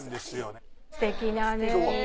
すてきなね。